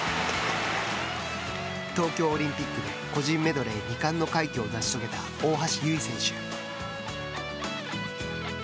東京オリンピックで個人メドレー２冠の快挙を成し遂げた大橋悠依選手。